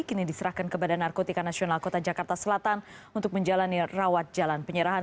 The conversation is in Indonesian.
kini diserahkan kepada narkotika nasional kota jakarta selatan untuk menjalani rawat jalan penyerahan